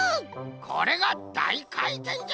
これがだいかいてんじゃ！